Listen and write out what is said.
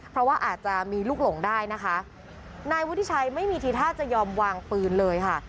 เพราะว่าอาจจะมีลูกหลงได้นะคะนายวุฒิชัยไม่มีทีท่าจะยอมวางปืนเลยค่ะ